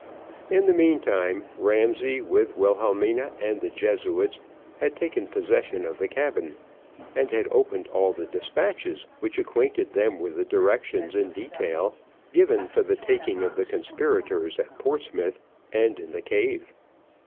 In the meantime, Ramsay with Wilhelmina, and the Jesuits, had taken possession of the cabin, and had opened all the despatches which acquainted them with the directions in detail, given for the taking of the conspirators at Portsmouth, and in the cave.